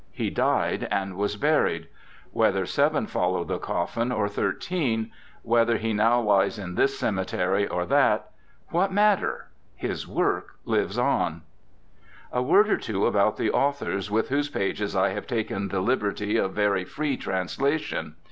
He died and was buried. Whether seven fol lowed the coffin, or thirteen; whether he now lies in this cemetery or that; what matter? His work lives on. ^ A word or two about the authors with whose pages I have taken the liberty of 21 RECOLLECTIONS OF OSCAR WILDE very free translation.